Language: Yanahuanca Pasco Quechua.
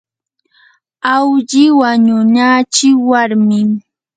awlli wanunachi warmin.